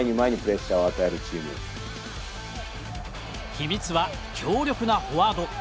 秘密は強力なフォワード。